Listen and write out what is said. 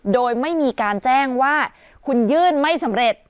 โดยไม่มีการแจ้งว่าคุณยื่นไม่สำเร็จ